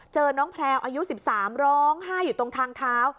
เจอน้องแพลวอายุ๑๓ร้องไห้อยู่ตรงทางเท้า